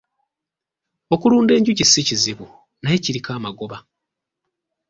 Okulunda enjuki si kizibu naye kiriko amagoba.